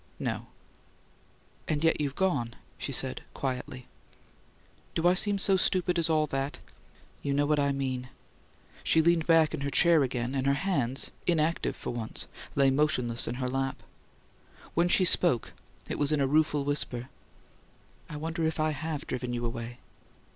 "No." "And yet you've gone," she said, quietly. "Do I seem so stupid as all that?" "You know what I mean." She leaned back in her chair again, and her hands, inactive for once, lay motionless in her lap. When she spoke it was in a rueful whisper: "I wonder if I HAVE driven you away?"